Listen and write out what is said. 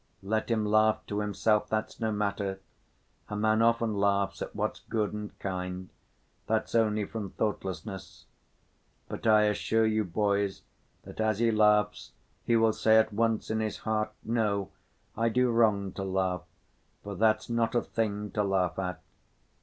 Let him laugh to himself, that's no matter, a man often laughs at what's good and kind. That's only from thoughtlessness. But I assure you, boys, that as he laughs he will say at once in his heart, 'No, I do wrong to laugh, for that's not a thing to laugh at.